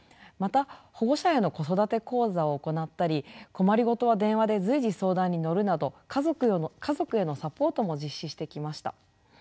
また保護者への子育て講座を行ったり困り事は電話で随時相談に乗るなど家族へのサポートも実施してきました。